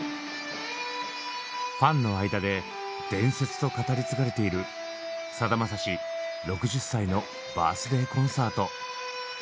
ファンの間で「伝説」と語り継がれている「さだまさし６０歳のバースデーコンサート」。